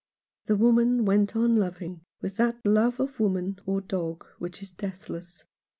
The woman went on loving with that love of woman or dog which is deathless.